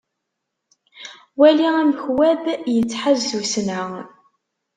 Wali amek web yettḥaz tussna.